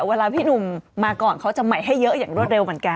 เวลาพี่หนุ่มมาก่อนเขาจะใหม่ให้เยอะอย่างรวดเร็วเหมือนกัน